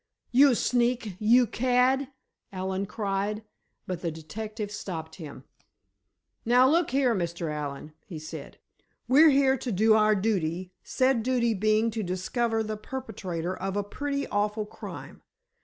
"You sneak, you cad!" Allen cried, but the detective stopped him. "Now, look here, Mr. Allen," he said, "we're here to do our duty, said duty being to discover the perpetrator of a pretty awful crime.